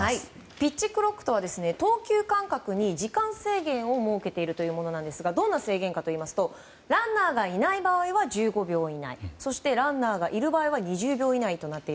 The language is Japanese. ピッチクロックとは投球間隔に時間制限を設けているというものなんですがどんな制限かといいますとランナーがいない場合は１５秒以内そして、ランナーがいる場合は２０秒以内です。